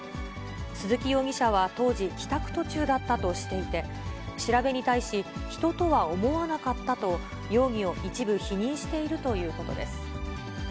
鈴木容疑者は当時、帰宅途中だったとしていて、調べに対し、人とは思わなかったと容疑を一部否認しているということです。